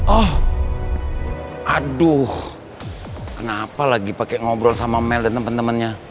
oh aduh kenapa lagi pakai ngobrol sama mel dan teman temannya